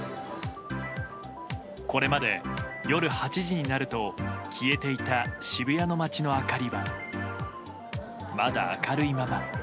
これまで、夜８時になると消えていた渋谷の街の明かりはまだ明るいまま。